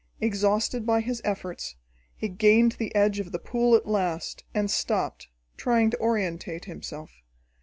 Exhausted by his efforts, he gained the edge of the pool at last, and stopped, trying to orientate himself.